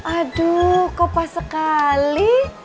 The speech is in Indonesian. aduh kok pas sekali